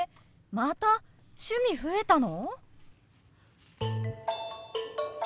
また趣味増えたの！？